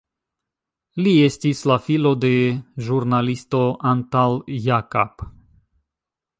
Li estis la filo de ĵurnalisto Antal Jakab.